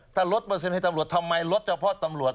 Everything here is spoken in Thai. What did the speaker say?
ถ้าลดเปอร์เซ็นต์ให้ตำรวจทำไมลดเฉพาะตำรวจ